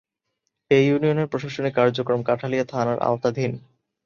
এ ইউনিয়নের প্রশাসনিক কার্যক্রম কাঁঠালিয়া থানার আওতাধীন।